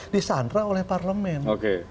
disandra oleh parlement